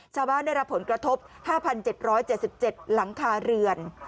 สามารถได้รับผลกระทบ๕๗๗๗หลังคาเรือน